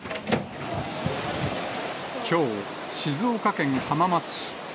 きょう、静岡県浜松市。